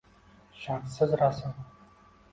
Shartsiz rasm